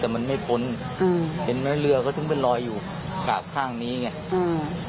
แต่มันไม่พ้นมันเห็นเรือก็ทั้งเป็นลอยอยู่ขาบข้างนี้เงี่ย